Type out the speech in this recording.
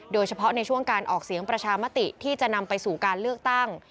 โดยเฉพาะในช่วงการออกเสียงประชามติที่จะนำไปสู่การเลือกตั้ง